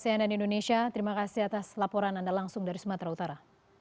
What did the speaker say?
cnn indonesia terima kasih atas laporan anda langsung dari sumatera utara